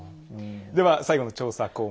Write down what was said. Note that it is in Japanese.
では最後の調査項目。